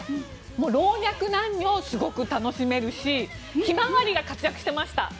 老若男女すごく楽しめるしひまわりが活躍していました。